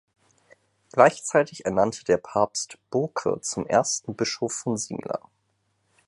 Gleichzeitig ernannte der Papst Burke zum ersten Bischof von Simla.